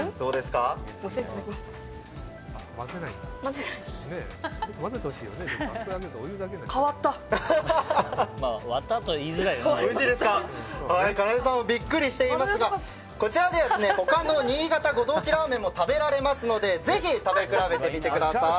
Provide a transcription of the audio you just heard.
かなでさんもビックリしていますがこちらでは他の新潟ご当地ラーメンも食べられますのでぜひ食べ比べてみください。